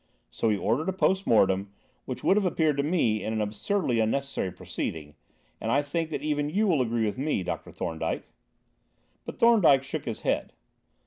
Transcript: So he ordered a post mortem, which would have appeared to me an absurdly unnecessary proceeding, and I think that even you will agree with me, Dr. Thorndyke." But Thorndyke shook his head.